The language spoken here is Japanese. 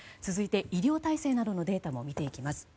続いて、医療体制などのデータも見ていきます。